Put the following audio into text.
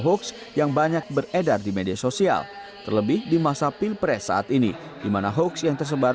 hoax yang banyak beredar di media sosial terlebih di masa pilpres saat ini dimana hoaks yang tersebar